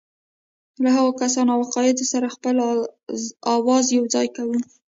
له هغو کسانو او عقایدو سره خپل آواز یوځای کوو.